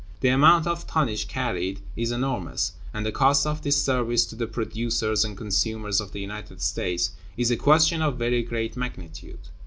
The amount of tonnage carried is enormous; and the cost of this service to the producers and consumers of the United States is a question of very great magnitude.